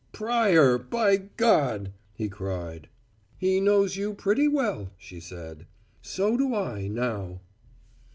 "Pryor, by God!" he cried. "He knows you pretty well," she said. "So do I now!"